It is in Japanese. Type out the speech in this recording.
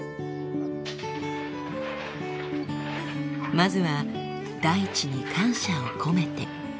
まずは大地に感謝を込めて。